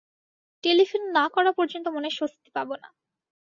Telephone না-করা পর্যন্ত মনে স্বস্তি পাব না।